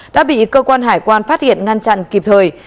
đã bị cơ quan hải quan phát hiện ngăn chặn kịp thời